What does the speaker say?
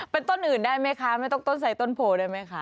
ปล่อยหนึ่งได้ไหมคะไม่ต้องต้นใสต้นโพได้ไหมคะ